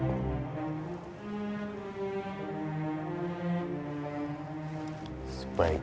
semoga bella senang dengan gelang ini